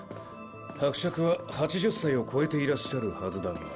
伯爵は８０歳を超えていらっしゃるはずだが。